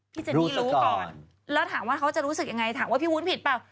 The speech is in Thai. เจนนี่รู้ก่อนแล้วถามว่าเขาจะรู้สึกยังไงถามว่าพี่วุ้นผิดเปล่า